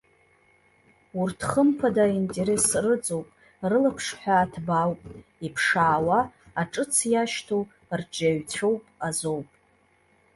Урҭ хымԥада аинтерес рыҵоуп, рылаԥшҳәаа ҭбаауп, иԥшаауа, аҿыц иашьҭоу рҿиаҩцәоуп азоуп.